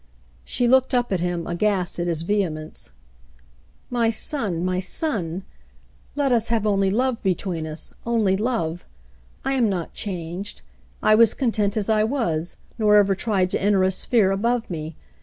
She looked up at him, aghast at his vehemence. '*My son, my son ! Let us have only love between us — only love. I am not changed. I was content as I was, nor ever tried to enter a sphere above me.